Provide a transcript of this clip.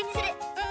うん！